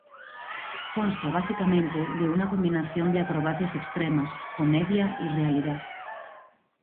Consta básicamente de una combinación de acrobacias extremas, comedia y realidad.